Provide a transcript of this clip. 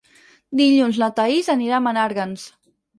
Dilluns na Thaís anirà a Menàrguens.